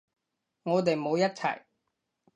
我哋冇一齊